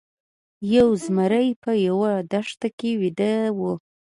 یو زمری په یوه دښته کې ویده و.